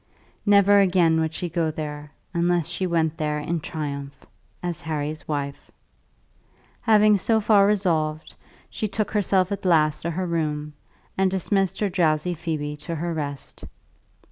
Never again would she go there, unless she went there, in triumph, as Harry's wife. Having so far resolved she took herself at last to her room, and dismissed her drowsy Phoebe to her rest.